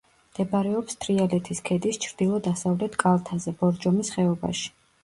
მდებარეობს თრიალეთის ქედის ჩრდილო-დასავლეთ კალთაზე, ბორჯომის ხეობაში.